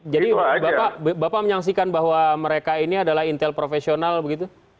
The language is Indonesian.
bapak menyaksikan bahwa mereka ini adalah intel profesional begitu